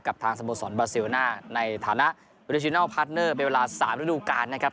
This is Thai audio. กับทางสมบสรรค์เบอร์เซลน่าในฐานะเป็นเวลาสามฤดูการนะครับ